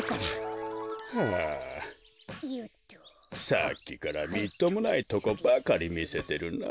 さっきからみっともないとこばかりみせてるな。